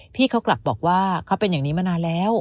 พี่เขากลับบอกว่าเขาเป็นอย่างนี้มานานแล้ว